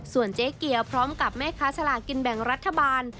ส่วนเจ๊เกียวพร้อมกับแม่ค้าสลากินแบ่งรัฐบาล